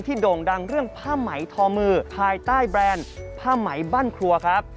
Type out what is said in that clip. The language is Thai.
โด่งดังเรื่องผ้าไหมทอมือภายใต้แบรนด์ผ้าไหมบ้านครัวครับ